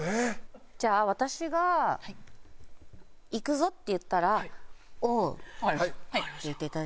じゃあ私が「いくぞ」って言ったら「オー！」言っていただいていいですか？